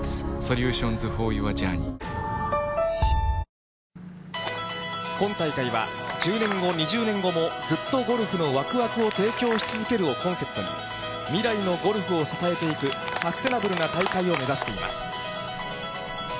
このあと、今大会は、１０年後、２０年後もずっとゴルフのわくわくを提供しつづけるをコンセプトに、未来のゴルフを支えていくサステナブルな大会を目指しています。